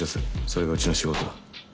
それがうちの仕事だ。